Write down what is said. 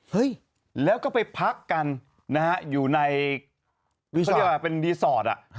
เฮ้ยแล้วก็ไปพักกันนะฮะอยู่ในรีสอร์ท